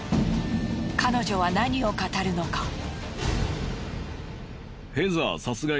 彼女は何を語るのか。